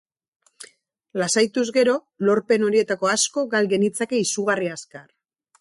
Lasaituz gero, lorpen horietako asko gal genitzake izugarri azkar.